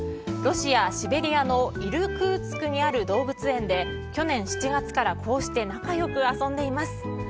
ロシア・シベリアのイルクーツクにある動物園で去年７月から、こうして仲よく遊んでいます。